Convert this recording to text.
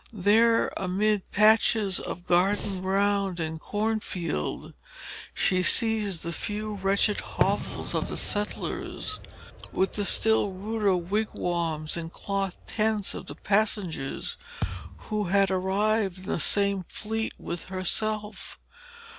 There, amid patches of garden ground and cornfield, she sees the few wretched hovels of the settlers, with the still ruder wigwams and cloth tents of the passengers who had arrived in the same fleet with herself.